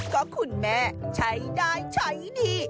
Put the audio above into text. ก็คุณแม่ใช้ได้ใช้ดี